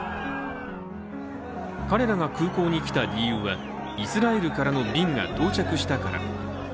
彼らが空港に来た理由は、イスラエルからの便が到着したから。